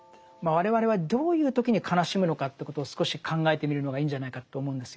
我々はどういう時に悲しむのかということを少し考えてみるのがいいんじゃないかと思うんですよね。